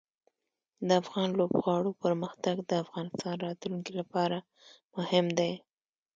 د افغان لوبغاړو پرمختګ د افغانستان راتلونکې لپاره مهم دی.